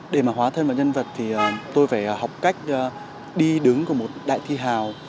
để mà hóa thêm vào nhân vật thì tôi phải học cách đi đứng của một đại thi hào